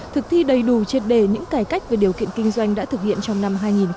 thực thi đầy đủ triệt đề những cải cách về điều kiện kinh doanh đã thực hiện trong năm hai nghìn một mươi chín